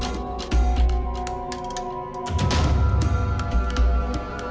di sana lihat aja